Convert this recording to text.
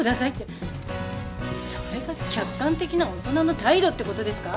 それが客観的な大人の態度ってことですか？